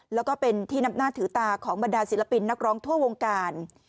แล้วก็เป็นที่นับหน้าถือตาของบรรดาศิลปินนักร้องทั่ววงการ